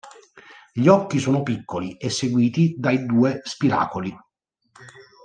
Gli occhi sono piccoli e seguiti dai due spiracoli.